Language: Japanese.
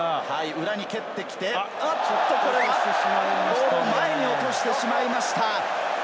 裏に蹴ってきて、ボールを前に落としてしまいました。